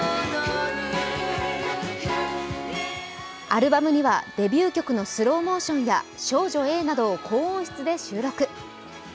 アルバムにはデビュー曲の「スローモーション」や「少女Ａ」など高音質で収録。